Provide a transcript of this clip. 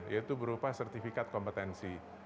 yaitu berupa sertifikat kompetensi